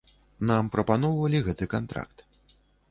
Нам прапаноўвалі гэты кантракт.